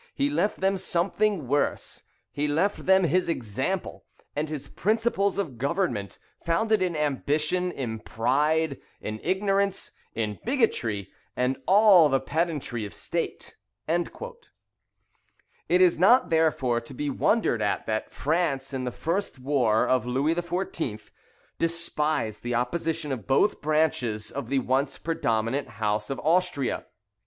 He left them something worse; he left them his example and his principles of government, founded in ambition, in pride, in ignorance, in bigotry, and all the pedantry of state." [Bolingbroke, vol. ii. p. 378.] It is not, therefore, to be wondered at, that France, in the first war of Louis XIV., despised the opposition of both branches of the once predominant house of Austria.